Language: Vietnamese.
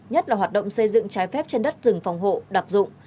nhất là hoạt động xây dựng trái phép trên đất rừng phòng hộ đặc dụng